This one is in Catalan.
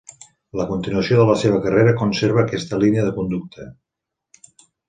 La continuació de la seva carrera conserva aquesta línia de conducta.